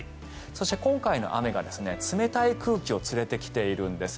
そして、今回の雨が冷たい空気を連れてきているんです。